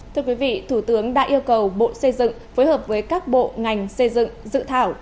thưa quý vị thủ tướng đã yêu cầu bộ xây dựng phối hợp với các bộ ngành xây dựng dự thảo